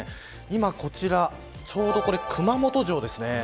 今、こちらちょうど熊本城ですね。